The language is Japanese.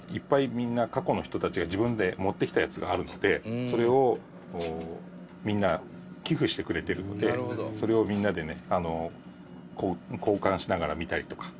みんな過去の人たちが自分で持ってきたやつがあるのでそれをみんな寄付してくれてるのでそれをみんなでね。